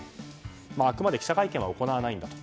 あくまで記者会見を行わないと。